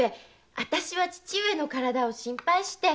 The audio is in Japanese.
あたしは父上の体を心配して。